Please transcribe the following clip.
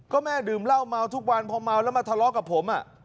ก็แม่ดื่มเหล้าเมาทุกวันพอเมาแล้วมาทะเลาะกับผม